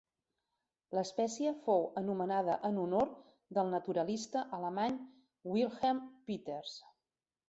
L'espècie fou anomenada en honor del naturalista alemany Wilhelm Peters.